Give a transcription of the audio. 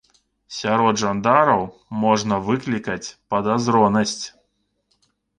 Сярод жандараў можна выклікаць падазронасць.